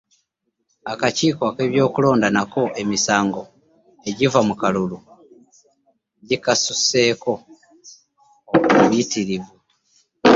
Akakiiko k'ebyokulonda nako emisango egiva mu kalulu gikasusseeko obuyitirivu.